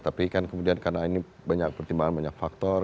tapi kan kemudian karena ini banyak pertimbangan banyak faktor